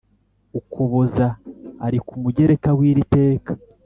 Ukuboza ari ku mugereka w iri teka